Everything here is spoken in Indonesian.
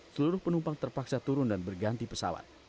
seluruh penumpang terpaksa turun dan berganti pesawat